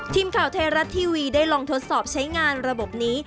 ทีมข่าวไทยรัฐทีวีได้ลองทดสอบใช้งานระบบนี้